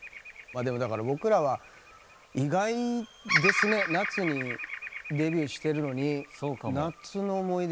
まあでもだから僕らは意外ですね夏にデビューしてるのに。